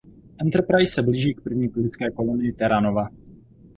Enterprise se blíží k první lidské kolonii Terra Nova.